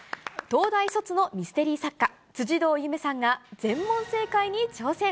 東大卒のミステリー作家、辻堂ゆめさんが、全問正解に挑戦。